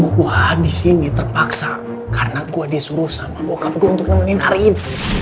gua di sini terpaksa karena gua disuruh sama bokap gua untuk nemenin arin